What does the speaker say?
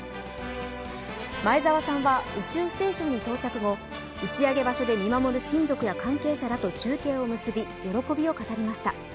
前澤さんは宇宙ステーションに到着後、打ち上げ場所で見守る親族や関係者らと中継を結び喜びを語りました。